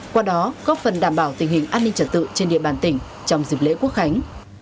qua đó góp phần đảm bảo tình hình an ninh trật tự trên địa bàn tỉnh trong dịp lễ quốc khánh